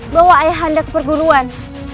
bawa ayah anda ke perguruan